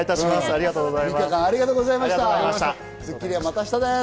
ありがとうございます。